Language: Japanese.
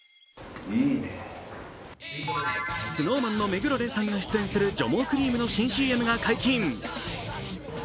ＳｎｏｗＭａｎの目黒蓮さんが出演する除毛クリームの新ＣＭが解禁。